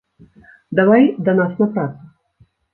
Давай да нас на працу!